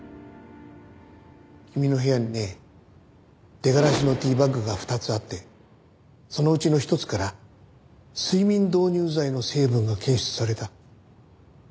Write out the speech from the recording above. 君の部屋にね出がらしのティーバッグが２つあってそのうちの１つから睡眠導入剤の成分が検出された。